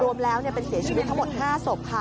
รวมแล้วเป็นเสียชีวิตทั้งหมด๕ศพค่ะ